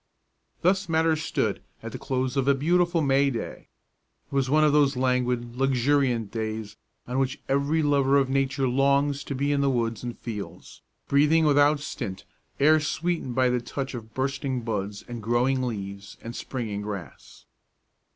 Thus matters stood at the close of a beautiful May day. It was one of those languid, luxuriant days on which every lover of Nature longs to be in the woods and fields, breathing without stint air sweetened by the touch of bursting buds and growing leaves and springing grass.